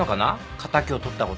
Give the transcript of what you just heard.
敵をとったこと。